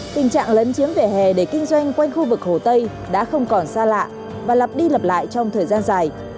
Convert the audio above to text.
tình trạng lấn chiếm vỉa hè để kinh doanh quanh khu vực hồ tây đã không còn xa lạ và lặp đi lặp lại trong thời gian dài